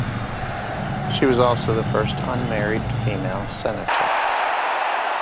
She was also the first unmarried female senator.